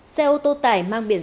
xe ô tô tải mất